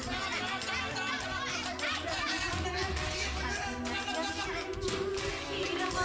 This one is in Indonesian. eh dia kayak gondok